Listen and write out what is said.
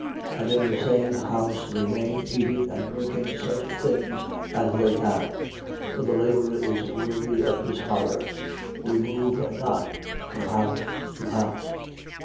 10:7. And in the same house, remain, eating and drinking such things as they have: for the labourer is worthy of his hire. Remove not from house to house.